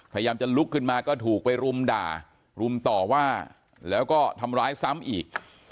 พยายามจะลุกขึ้นมาก็ถูกไปรุมด่ารุมต่อว่าแล้วก็ทำร้ายซ้ำอีก